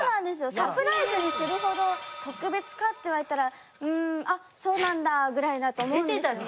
サプライズにするほど特別か？って言われたらうんあっそうなんだくらいだと思うんですよね。